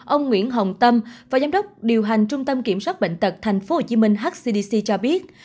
ông nguyễn hồng tâm phó giám đốc điều hành trung tâm kiểm soát bệnh tật tp hcm hcdc cho biết